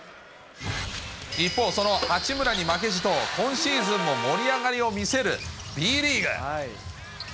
一方、その八村に負けじと、今シーズンも盛り上がりを見せるＢリーグ。